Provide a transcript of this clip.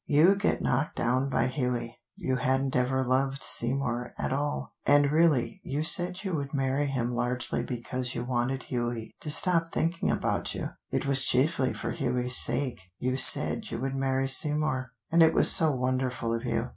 You get knocked down by Hughie. You hadn't ever loved Seymour at all, and really you said you would marry him largely because you wanted Hughie to stop thinking about you. It was chiefly for Hughie's sake you said you would marry Seymour, and it was so wonderful of you.